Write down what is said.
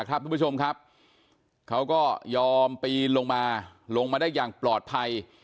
ทุกผู้ชมครับเขาก็ยอมปีนลงมาลงมาได้อย่างปลอดภัย